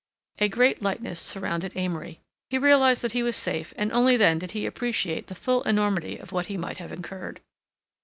A great lightness surrounded Amory. He realized that he was safe and only then did he appreciate the full enormity of what he might have incurred.